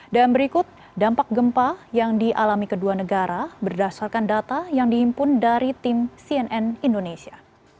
dan berikut dampak gempa yang dialami kedua negara berdasarkan data yang diimpun dari tim cnn indonesia